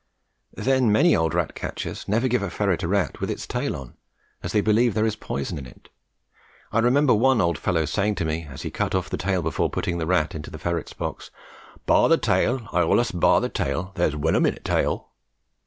Then many old rat catchers never give a ferret a rat with its tail on, as they believe there is poison in it. I remember one old fellow saying to me as he cut off the tail before putting the rat into the ferrets' box, "Bar the tail I allus bars the tail there's wenom in the tail."